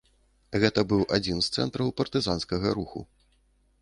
Гэта быў адзін з цэнтраў партызанскага руху.